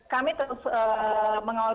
kami terus mengawal